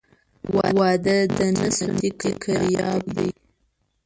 واده د نه ستني کرياب دى.